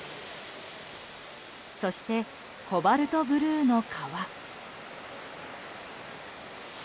そして、コバルトブルーの川。